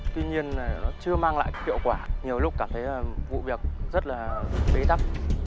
tuy nhiên nó chưa mang lại hiệu quả nhiều lúc cảm thấy vụ việc rất là bế tắc